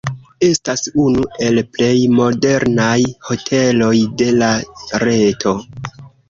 Estas unu el plej modernaj hoteloj de la reto.